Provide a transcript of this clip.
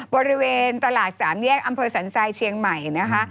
บริเวณตลาดสามแยกอำเภอสันทรายเชียงใหม่นะคะ